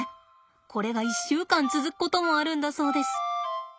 これが１週間続くこともあるんだそうです。